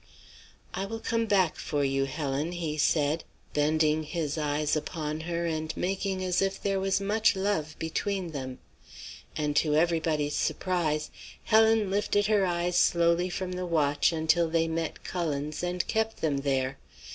"'I will come back for you, Helen,' he said, bending his eyes upon her and making as if there was much love between them; and to everybody's surprise Helen lifted her eyes slowly from the watch until they met Cullen's, and kept them there.